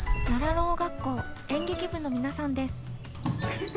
ろう学校演劇部の皆さんです。